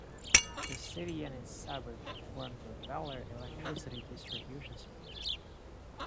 The city and its suburbs forms the Vellore Electricity Distribution Circle.